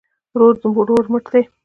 ورور د ورور مټ دی